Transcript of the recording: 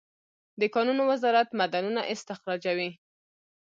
د کانونو وزارت معدنونه استخراجوي